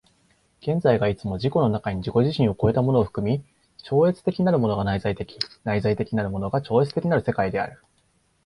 現在がいつも自己の中に自己自身を越えたものを含み、超越的なるものが内在的、内在的なるものが超越的なる世界である。